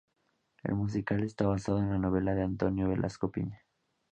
El musical está basado en la novela de Antonio Velasco Piña.